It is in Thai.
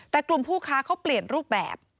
แต่กลุ่มผู้ค้าเขาเปลี่ยนรูปแบบ